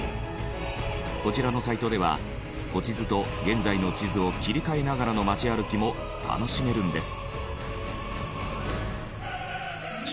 こちらのサイトでは古地図と現在の地図を切り替えながらの街歩きも楽しめるんです。